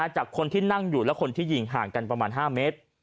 จากคนที่นั่งอยู่และคนที่ยิงห่างกันประมาณ๕เมตร